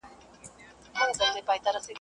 لوى ئې پر کور کوي، کوچنی ئې پر بېبان.